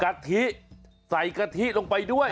กะทิใส่กะทิลงไปด้วย